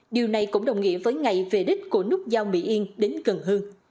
điều này cũng đồng nghĩa với ngày về đích của nút giao mỹ yên đến cần hơn